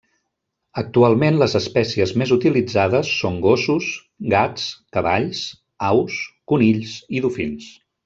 Actualment, les espècies més utilitzades són gossos, gats, cavalls, aus, conills i dofins.